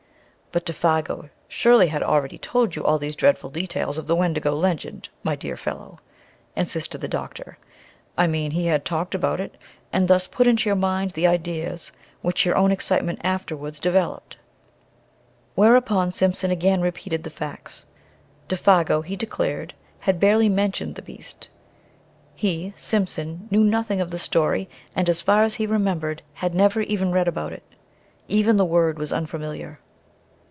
"But Défago surely had already told you all these details of the Wendigo legend, my dear fellow," insisted the doctor. "I mean, he had talked about it, and thus put into your mind the ideas which your own excitement afterwards developed?" Whereupon Simpson again repeated the facts. Défago, he declared, had barely mentioned the beast. He, Simpson, knew nothing of the story, and, so far as he remembered, had never even read about it. Even the word was unfamiliar.